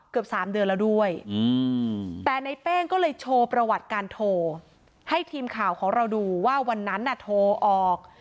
เกือบ๓เดือนแล้วด้วยแต่ในเป้งก็เลยโชว์ประวัติการโทรให้ทีมข่าวของเราดูว่าวันนั้นน่ะโทรออก